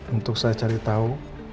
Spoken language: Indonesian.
untuk saya cari tahu